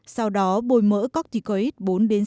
sau đó bôi mỡ cocticoid